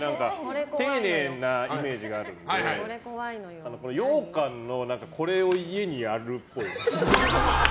丁寧なイメージがあるのでようかんのこれが家にあるっぽい。